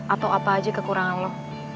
atau apa aja kekurangan lo